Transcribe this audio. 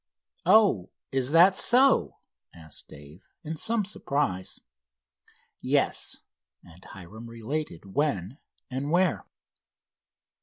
"Oh, is that so?" asked Dave, in some surprise. "Yes," and Hiram related when and where.